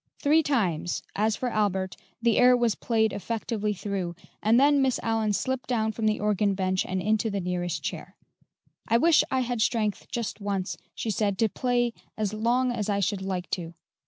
Three times, as for Albert, the air was played effectively through, and then Miss Allyn slipped down from the organ bench and into the nearest chair. "I wish I had strength just once," she said, "to play as long as I should like to."